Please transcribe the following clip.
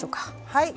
はい。